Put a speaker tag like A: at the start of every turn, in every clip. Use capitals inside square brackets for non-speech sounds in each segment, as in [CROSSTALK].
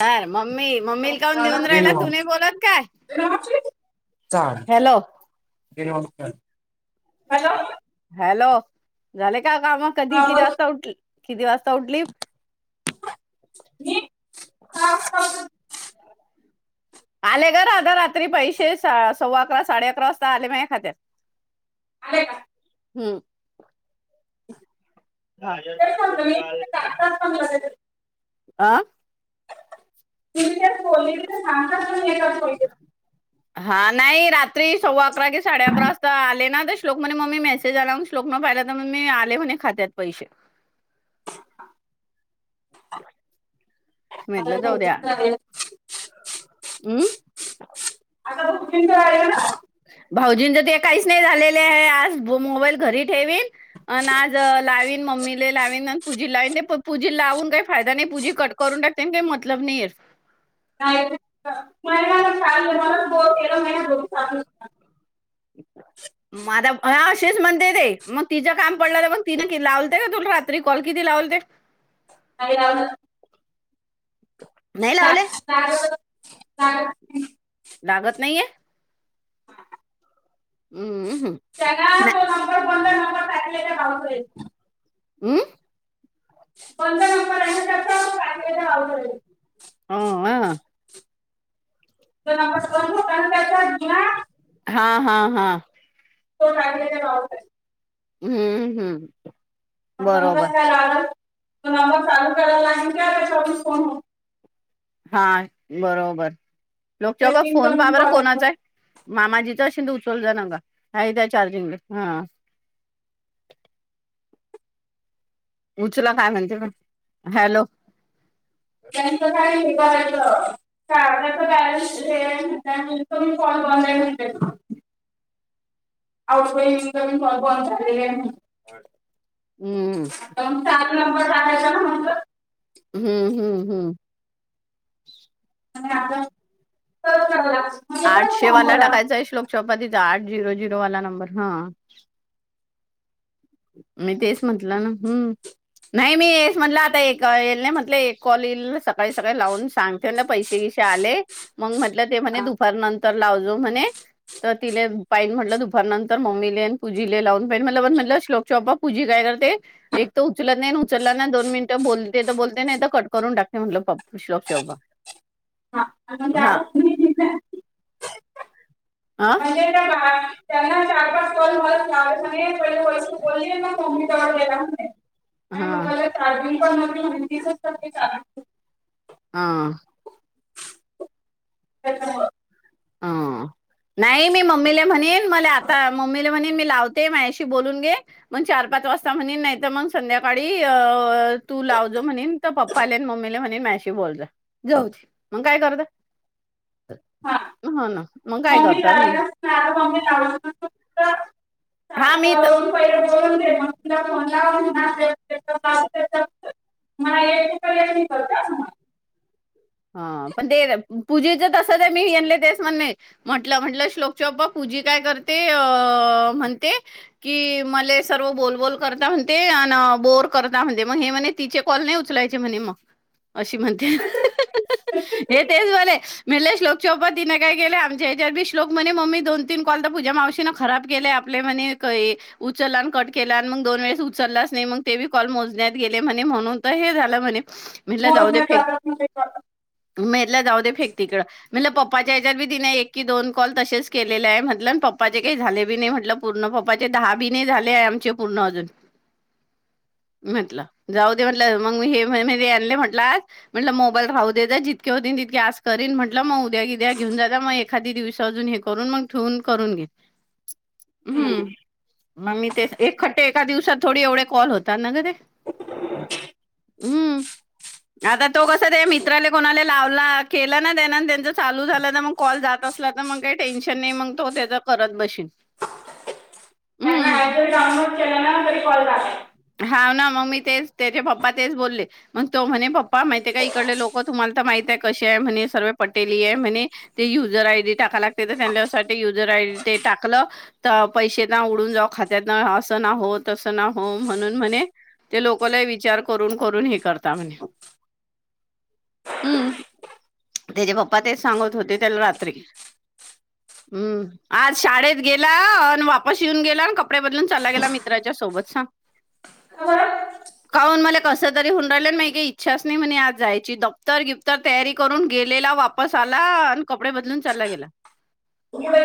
A: Car, mummy, मम्मीला काऊून देऊन
B: ग्रीन
A: राहिला तु् नै
B: हाऊस
A: बोलत काय. हॅलो,
B: तीन वाजत आलो, हॅलो.
A: हॅलो,, झाले का कामं,, कधी,
B: हा
A: किती
B: बोल
A: वाजता उठ, किती वाजता उठली.
B: हे
A: आले ग राधा रात्री पैसे, सव्वा अकरा साडे अकरा वाजता आले माझ्या खात्यात.
B: आले का
A: हम्म
B: तेन सांगतो मी सग
A: आं
B: त त्या बली सांगत काोलते [UNINTELLIGIBLE]
A: हा, नाही रात्री सव्वा अकरा क साडे अकरा वाजता आले ना तर श्लोक म्हणे मम्मी मेसेज आलाून श्लोक,,, मग पाहिला, तर मग मी आले होणे खात्यात पैसे. म्हटलं जाऊ
B: आ
A: हम्
B: आता आता कुठ ना [UNINTELLIGIBLE]
A: भाऊजींच ते काहीच नाही झालेले आहे, आज मोबाईल घरी ठेवीन आणि आजऽ लावीन, मम्मीला लावीन, आणि पूजी लावीन ते पूजी लावून काही फायदा नाही पूजी कट करून टाकते काही मतलबऽऽ पनीर,
B: नाही महिना मला दो तेरा महिना हो चाल.
A: हच [UNINTELLIGIBLE] माझ, हा असेच म्हणते ते मग तिचं काम पडलं तर मग तिने लाव का तुला रात्री कॉल कि, लावलते.
B: नाही राव,
A: नाही लावले! लागत नाहीये, हम्म हम्,
B: त्यांना बापरे,
A: हम्म
B: बंद नंबर आहे ना त्याचा तो टाकलेला भावकडे
A: हं हा,
B: तो नंबर बंद होता ना त्याचा जुना
A: हा हा हा,
B: तो टाकले त्या बाबतीत
A: हम्म हम्म,
B: म्हटलं नकाच
A: बरोबर
B: काय लागल तो नंबर चालू करायला लागेल का त्याच्यावरून फोन होतो
A: हा बरोबर लोकच्या बाबा
B: त्याची
A: फोन
B: इन्कमिंग
A: पाबरा
B: कॉल येतो
A: कोणाचा आहे. मामाजीचा शिंद उचल जा न का नाही त्या चार्जिंगला हा, [UNINTELLIGIBLE] उचूला काय म्हणते बा, हॅलो,
B: त्यांचं काय हे करायचं, [UNINTELLIGIBLE] आउट गोईन बंद झालेले आहे.
A: [UNINTELLIGIBLE] हम्,
B: तर
A: म
B: मग [UNINTELLIGIBLE]
A: हम्म हम्म हम्म,
B: आणि आताव लागत,
A: आठशेवाला टाकायचां आहे श्लोक, शपतीचा आठ झिरो झिरो वाला नंबर हा, मी तेच म्हटलं ना हम्म नाही मी येस म्हटलं आता एक येईल ना म्हटलं एक कॉल येईल सकाळी सकाळी लावून सांगते पैसे येई, आ मग म्हट ते म्ह
B: हा
A: दुपार नंतर लाव म्हणे, तर तिले पाईन म्हटलं, दुपार नंतर मम्मीले आणि, पूजीले लावून पाईन म्हण म्हटलं, शलोक चॉपा पूझी काय करते एक तर उचलत नाही, उचलला ना दोन मिनिटं बोलते तर बोलते ना तर कट करून टाकत म्हणश लोक शोलोक चे पापा,
B: हा आणि [UNINTELLIGIBLE]
A: हा
B: म्हणजे ना बा, त्यांना चार पाच कॉल मत ला म्ह वैस बोलली मग मम्मी जवड गला म्ह,
A: हा
B: ण तेच तेच की चालणं,
A: हा,
B: का करवा,
A: अ नाही मी मम्मीला म्हणेन मला आता मम्मीला म्हणेन मी, लावते माझ्याशी बोलून घेणार पाच वाजता‌ म्हणेन नाहीतर संध्याकाळी‌ अअअ लावजो म्हणेन पप्पाला आणि मम्मीला म्हणे मशी बोल जा जाऊ मग काय करत, ते [UNINTELLIGIBLE]
B: हा बॉमबई
A: हम्म.
B: लावलाचणार बॉम्ब लावलंत,
A: हा मी
B: शका
A: तर
B: पहि मग त मला [UNINTELLIGIBLE] म एकक करत म,
A: हा पण ते पूजेच तस ते मीले तेच म्हण म्हंटलं म्हटलं श्लोक च बा्पा पूज, तजी काय करते म्हणते की म सर्व बोलबोल कर म्हणते, बोर करता म्हणते मग हे म्हणे तिचे कॉल नाही उचलायचे म्हणे मग अशी म्हणते हे तेच म्हणे म्हणले श्लोकच्या पपा तिने काय केलं आमच्या शोल्क म्हणे मम्मी दो तीन कल तर पूजा मावशी न खराब केले आप आपले म्हणे उचला न कट केला दोन वेळेस उचलाच नाही मग ते बी कॉल मोजण्यात गेले म्हणून तर हे झालं म्हणे
B: हो [UNINTELLIGIBLE]
A: मेरला जाऊ दे फेक तिकड म्हणलं पप्पाच्या ह्याच्यावर बी तिने एक की दोन कॉल तसेच केलेले आहे म्हनल पप्पाचे काही झाले बी नाही म्हटलं पूर्ण पप्पाचे दहा बी नाही झाले आहे आमचे पूर्ण अजून. म्हंटलं जाऊ दे म्हंलं मग म हेे आणले म्हटलं म्हटलं मो म राहू देजा जितके होती तितके आज करीन म्हटलं मग उद्या बिद्या घेऊन जात मग एखादी दिवसा अजून हे करून म ठेवून करून घेत. हम्म मग मी ते एखट्टे एका दिवसात थोडी एवढे कॉल होतात ना गते.
B: [INAUDIBLE]
A: हम्म आता तो कस ते मित्रालेय कोणाल्या लावला, केला ना त्या त्यांच चालू झालं ना, मग कॉल जात असला तर मग काही टेन्शन नाही मग तो त्याच करत बशीन. हम्म
B: त्यांना ऍप डाऊनलोड केला ना तरी कॉल दाख.
A: हाव ना मग मी तेच त्याचे पप्पा तेच बोलले मग तो म्हणे पप्पा माहितीय का इकडले लोक तुम्हाला तर माहित ते कशे आहे म्हणे सर्व पटेली आहे म्हणे ते युजर आय डी टाकाय लागते तर त्यांच्यासाठी युजर आय डी ते टाकलं तर पैशे ना उडून जाऊ खात्यातन अस न हो तस न हो. म्हणून म्हणे ते लोक लय विचार करून करून हे करता म्हणे हम्म त्याचे पप्पा तेच सांगत होते त्याला रात्री [INAUDIBLE] हम्म आज शाळेत गेला अन् वापस येऊन गेला कपडे बदलून चालला गेला मित्राच्या सोबत सांग
B: [UNINTELLIGIBLE]
A: [INAUDIBLE] काऊन मला कस तरी होन राहिलं मा काही इच्छाच नाही म्हणे आज जायची दफ्तर गिफ्तर तयारी करून गेलेला वापस आला आणि कपडे बदलून चालला गेला.
B: [UNINTELLIGIBLE]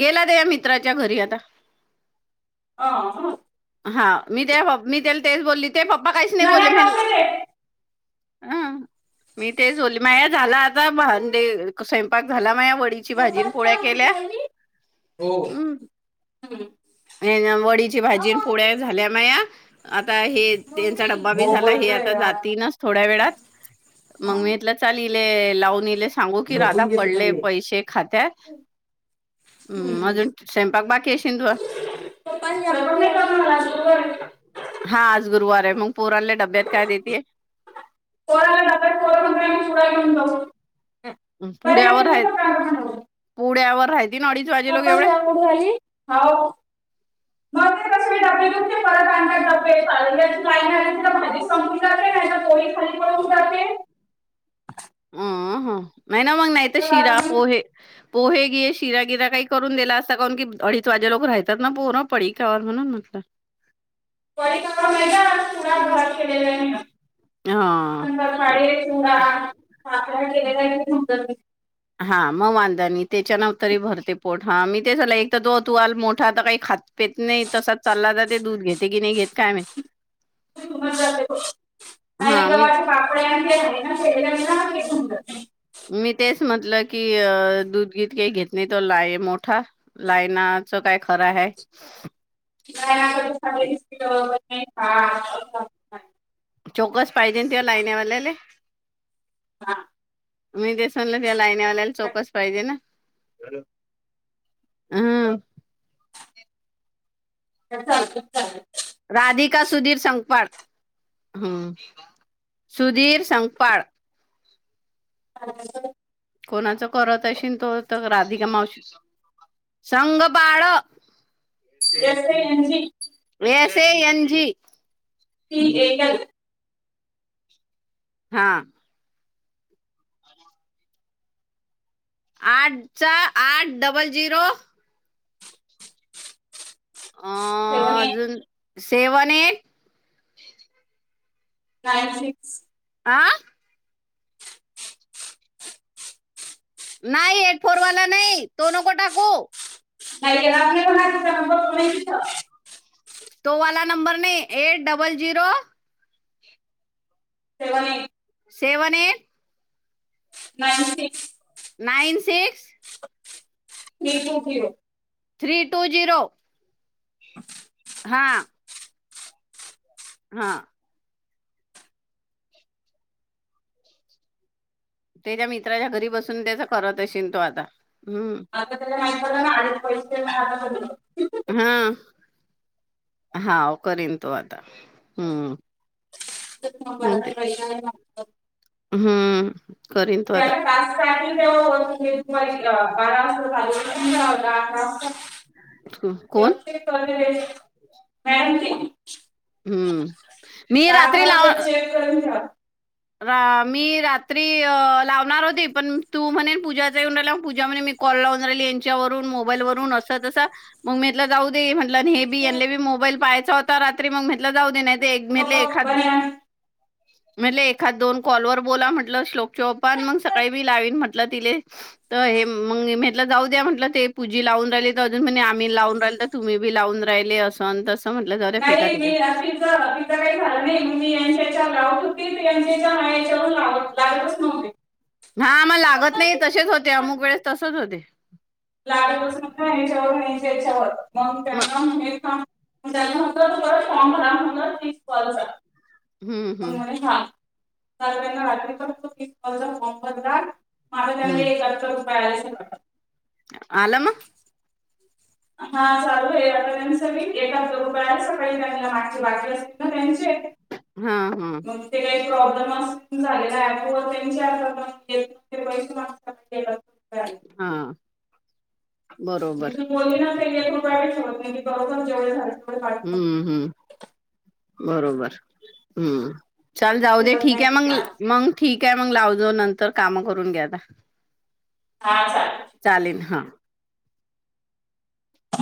A: गेला तया मित्राच्या घरी आता.
B: हा, हा.
A: हा मी तया पप मी त्याला तेच बोलली तेचे पप्पा काहीच नाही बोलले
B: नव्या
A: म्ह
B: डॉक्टर आहे
A: हा मी तेच बोलली माया झाला आता भ स्वयंपाक झाला माया वडीची भाजी पोळ्या
B: पप्पाला
A: केल्या
B: उठवली हो
A: हम् ते न वडीची भाजी पोळ्या झाल्या माया, आता हे त्यांचा डब्बा बी
B: हो
A: झाला हे
B: बोलतोय
A: आता
B: ना
A: जाती नस थोड्या वेळात मग मी इथलं चालीले लावून इले सांगू की राधा
B: झोपून घेतो
A: पडले
B: पहिले
A: पैशे खात्यात, हम्
B: हम्म.
A: अजून स्वयंपाक बाकी अशीनं तुझा
B: [UNINTELLIGIBLE] आहे.
A: [INAUDIBLE] हा आज गुरुवार आहे मग पोराल्या डब्यात काय देतेय?
B: पोराला डब्यात पोरं
A: [INAUDIBLE]
B: म्हणतो आम्ही पुढे घेऊन जाऊ बरे आम्ही
A: पुड्यावर
B: तुझ्या
A: आहेत.
B: पप्पांना सांगू
A: पुड्यावर राहयती ना अडीच वाजे लोक एवढे?
B: पप्पाला
A: [INAUDIBLE]
B: उठवली हो मग ते कसं मी डबे घेऊन ते परत आणतात डबे चालल्याची लाईन आली तर भाजी संपून जाते नाही तर पोळी खाली पडून जाते
A: अं हं नाही ना मग नाही तर शिरा, पोहे, पोहे घे शिरा -गिरा काही करून देत. असल करून की अडीच वाजे लोक राहतात ना पूर् पडी कावर म्हणून म्हटलं.
B: [UNINTELLIGIBLE] आहे मी.
A: हा
B: पाळी चिवडा [UNINTELLIGIBLE]
A: हा मग वांधानी त्याच्याने तरी भरते पोट हा मी ते झा एक तर तो तू मोठा आता काही खात पित नाही तसाच चालला जाते दूध घेते की नाही घेत काय माहित. हा मी
B: [UNINTELLIGIBLE] आहे ना ते समजत नाही.
A: मी तेच म्हटलं की अ दूधगित काही घेत नाही तो लाय मोठा लायना आमच काय खरं आहे
B: का फ हा
A: चोकस पाहिजे तेव्हा लायनवाल्याला
B: हा.
A: मी तेसनल त्या लाईनवाल्याला चौकस पाहिजे ना हह
B: तर चालतं, चालतं.
A: राधिका सुधीर संखपाळ हम्म सुधीर संखपाळ कोणाचं करत असशील तो तर राधिका मावशी संगबाळ
B: यांची
A: वसे यांंजी
B: ती एक आहे.
A: हा आठचा आठ डबल झिरो
B: सेवन एट
A: अंजून सेवन एट
B: नाईन सिक्स
A: आह नाही हेडफोन वाला नाही दोनो को टाकू
B: ह
A: तो वाला नंबर नाही एट डबल झिरो
B: तेवणे
A: सेवने
B: नाईनटिक
A: नाईन सिक्स
B: ह थक्यू
A: थ्री टू झिरो हा हा त्याच्या मित्राच्या घरी बसून त्याचा करत असशेील तो आता हम्म
B: आता ना अध पैसे
A: हा हा करन तो आता हम्म
B: तर मग बा
A: हम्म, ते-
B: बहिला आहे
A: हम्म करीन तो आता
B: त्याला तास सा बारा [UNINTELLIGIBLE]
A: को- कोण
B: तेवचे मेहती
A: हम्म मी
B: दहा
A: रात्री
B: अकरा
A: लाव
B: वाजता चेक करून ठेवा
A: रा मी रात्री लावणार होते पण तू म्हणेन पूजाचानला पूजा म्हणे म च्यावरून मोबाईल वून अस म म जाऊ दे न हेहीले बी मोबाईल पाहायचा होता रात्री मग म्हटलं जाऊ दे नाही म
B: पप्पा
A: एखा
B: बन्या
A: म एक एखा दोन कॉल वर बोला म्हटलं श्लोक चोप आणि मग सकाळी मी लावीन म्हटलं तिले तर हे म्हट जाऊ द्या म्हटलं ते पूजी लावून राहिले तर अजून आम्ही लावून राहिल तर तुम्ही बी लावून राहिले अस म्ह
B: नाही मी रशीचा रचा काही झालं नाही म यांच्या यांच्याच्या लागतच नव्हते
A: हा मग लागत नाही तसेच होते अमुक वेळेस तसंच होते
B: लाड बसून याच्यावर याच्यावरत मग त्यांना हे त्याच्यानंतर तु शॉरांतर तीस कल
A: हम्म हम्म
B: म्ह छान त्यांना रात्रीॉ माझ
A: हम्म
B: त्यां कायच
A: आलम
B: हा चालू आहे आता त्यांनी सगळी एका दो वेळा सकाळी त्यांला मागची बाकी असते ना त्यांचे
A: हा हम्
B: मग ते काही प्रॉब्लेम झालेलाो पैसेतात
A: हा बरोबर
B: त जे झा
A: हम्म हम्म बरोबर हम्म ल जाऊ दे
B: ठेवत
A: ठीक
B: नाही.
A: आहे मग मग ठीक आहे मग लाव जाो नंतर काम करून घ्याता
B: हा ह